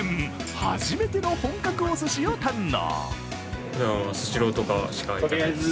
初めての本格お寿司を堪能。